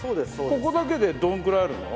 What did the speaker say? ここだけでどのくらいあるの？